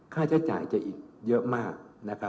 ค่าใช้จ่ายจะอีกเยอะมาก